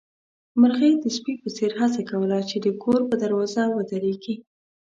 مرغۍ د سپي په څېر هڅه کوله چې د کور پر دروازه ودرېږي.